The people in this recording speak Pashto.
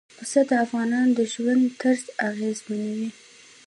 پسه د افغانانو د ژوند طرز اغېزمنوي.